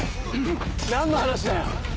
何の話だよ。